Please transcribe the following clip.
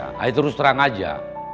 saya terus terang aja